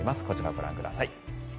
こちら、ご覧ください。